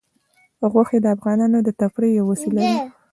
غوښې د افغانانو د تفریح یوه وسیله ده.